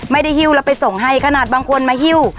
ไม่ได้ฮิ้วเราไปส่งให้ขนาดบางคนมาฮิ้ว